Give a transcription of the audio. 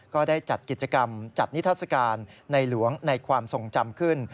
ก็ได้จัดกิจกรรมจัดนิทัศกาลในหลวงในความทรงจำขึ้น